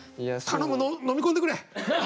頼む飲み込んでくれ！